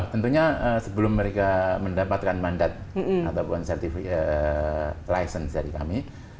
tentunya sebelum mereka mendapatkan mandat ataupun license dari kami